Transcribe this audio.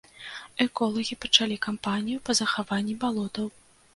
Эколагі пачалі кампанію па захаванні балотаў.